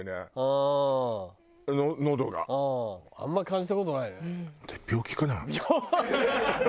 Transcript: あんまり感じた事ないね。